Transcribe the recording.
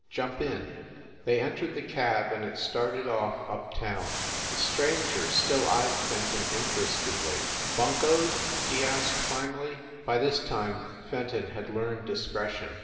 Jump in." They entered the cab and it started off up town. The stranger still eyed Fenton interestedly. "Bun coed ?" he asked finally. By this time Fenton had learned discretion.